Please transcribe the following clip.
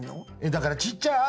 だからちっちゃい「あ」